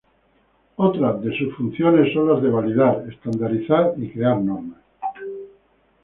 Otras de sus funciones son las de validar, estandarizar y crear normas.